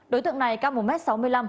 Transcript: đối tượng này cao một m sáu mươi năm